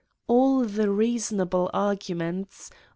All the reason able arguments